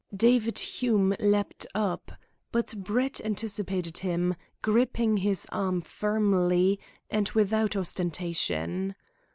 David Hume leaped up, but Brett anticipated him, gripping his arm firmly, and without ostentation.